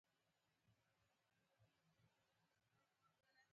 د ناوې له کوره د تویې شوې وینې دود غیر انساني دی.